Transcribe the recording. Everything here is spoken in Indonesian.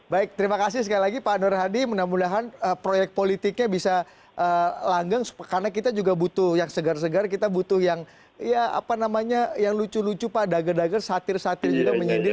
baik terima kasih sekali lagi pak nur hadi mudah mudahan proyek politiknya bisa langgang karena kita juga butuh yang segar segar kita butuh yang lucu lucu dager dager satir satir juga menyedih